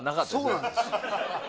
そうなんです。